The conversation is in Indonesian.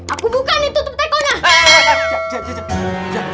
aku bukani tutup tekonya